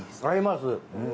合います！